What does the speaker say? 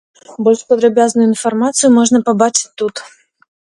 Больш падрабязную інфармацыю можна пабачыць тут.